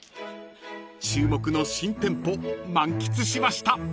［注目の新店舗満喫しました］